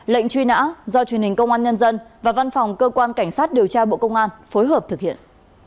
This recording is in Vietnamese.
lệnh truy nã do truyền hình công an nhân dân và văn phòng cơ quan cảnh sát điều tra bộ công an phối hợp thực hiện